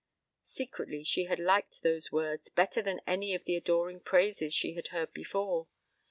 Secretly she had liked those words better than any of the adoring praises she had heard before.